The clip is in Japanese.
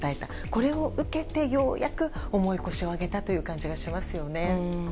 これを受けてようやく重い腰を上げたという感じがしますよね。